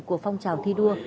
của phong trào thi đua